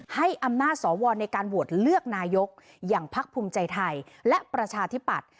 ให้อำนาจสวในการโหวตเลือกนายกอย่างพักภูมิใจไทยและประชาธิปัตย